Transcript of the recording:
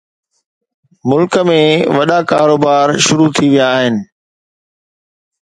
ملڪ ۾ وڏا ڪاروبار شروع ٿي ويا آهن